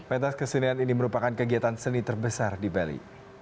pentas kesenian ini merupakan kegiatan seni terbesar di bali